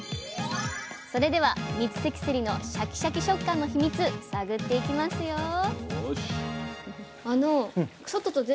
それでは三関せりのシャキシャキ食感のヒミツ探っていきますよ！